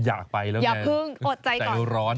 อยากไปแล้วแม่ใจร้อน